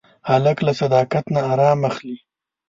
هلک له صداقت نه ارام اخلي.